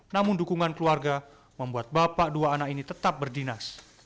namun dukungan keluarga membuat bapak dua anak ini tetap berdinas